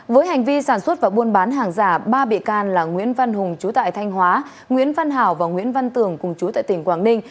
với hành vi sản xuất và buôn bán hàng giả ba bị can là nguyễn văn hùng chú tại thanh hóa nguyễn văn hảo và nguyễn văn tường cùng chú tại tỉnh quảng ninh